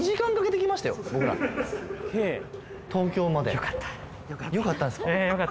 僕ら東京までよかったんですか？